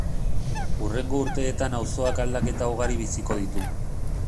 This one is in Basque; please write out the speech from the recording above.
Hurrengo urteetan auzoak aldaketa ugari biziko ditu.